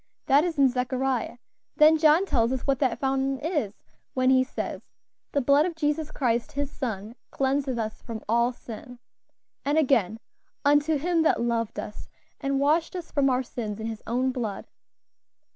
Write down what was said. That is in Zechariah; then John tells us what that fountain is when he says, 'The blood of Jesus Christ His Son cleanseth us from all sin;' and again, 'Unto Him that loved us, and washed us from our sins in His own blood.'"